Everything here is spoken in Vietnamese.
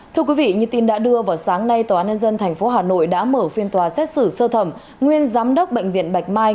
thưa quý vị như tin đã đưa vào sáng nay tòa án nhân dân tp hà nội đã mở phiên tòa xét xử sơ thẩm nguyên giám đốc bệnh viện bạch mai